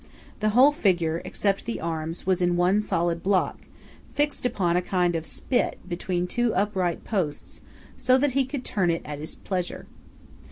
The whole figure, except the arms, was in one solid block, fixed upon a kind of spit between two upright posts, so that he could turn it at his pleasure.